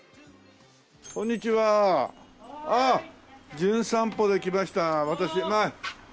『じゅん散歩』で来ました私ね。